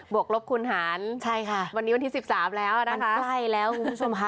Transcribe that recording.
กลบคุณหารใช่ค่ะวันนี้วันที่๑๓แล้วนะคะมันใกล้แล้วคุณผู้ชมค่ะ